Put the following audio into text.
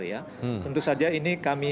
tentu saja ini kami